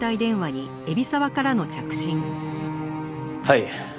はい。